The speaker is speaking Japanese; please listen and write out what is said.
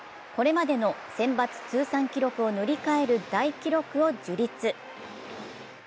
これまでのセンバツ通算記録を塗り替える大記録を樹立。